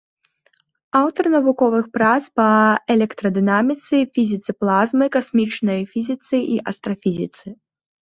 Аўтар навуковых прац па электрадынаміцы, фізіцы плазмы, касмічнай фізіцы і астрафізіцы.